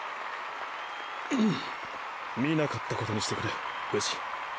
うんっ見なかったことにしてくれ不二。